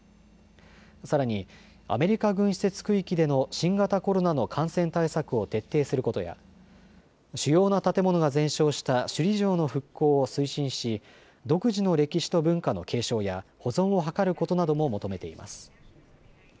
さらに、アメリカ軍施設区域での新型コロナの感染対策を徹底することや主要な建物が全焼した首里城の復興を推進し独自の歴史と文化の継承や保存を図ることなども求めています。